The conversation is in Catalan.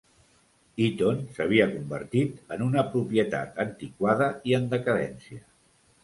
Eaton s'havia convertit en "una propietat antiquada i en decadència".